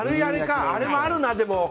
あれもあるな、でも。